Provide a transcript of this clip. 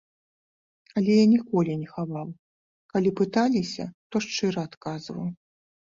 Але я ніколі не хаваў, калі пыталіся, то шчыра адказваў.